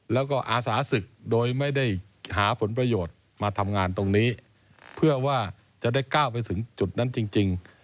แล้วก็อาสาศึกโดยไม่ได้หาผลประโยชน์มาทำงานตรงนี้เพื่อว่าจะได้ก้าวไปถึงจุดนั้นจริง